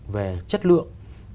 về chất lượng